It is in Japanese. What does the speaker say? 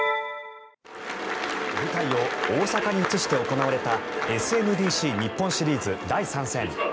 舞台を大阪に移して行われたＳＭＢＣ日本シリーズ第３戦。